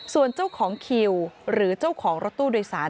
ส่วนเจ้าของคิวหรือเจ้าของรถตู้โดยสาร